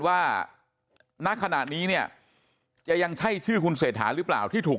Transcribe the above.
ว่าณขณะนี้เนี่ยจะยังใช่ชื่อคุณเศรษฐาหรือเปล่าที่ถูก